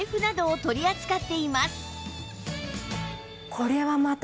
これはまた。